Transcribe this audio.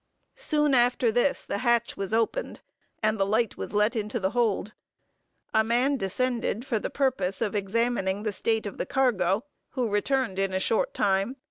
Soon after this, the hatch was opened, and the light was let into the hold. A man descended for the purpose of examining the state of the cargo; who returned in a short time.